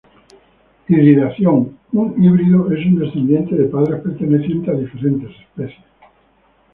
Hibridación, un híbrido es un descendiente de padres pertenecientes a diferentes especies.